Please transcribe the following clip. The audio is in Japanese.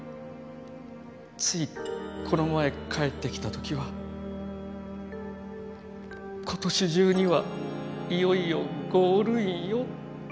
ついこの前帰ってきた時は今年中にはいよいよゴールインよって。